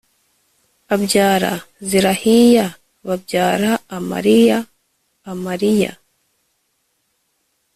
abyara zerahiya b abyara amariya amariya